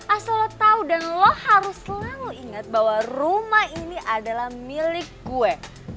asal lo tau dan lo harus selalu ingat bahwa rumah ini adalah milik gue